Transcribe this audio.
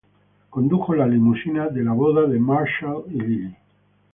Condujo la limusina dela boda de Marshall y Lily.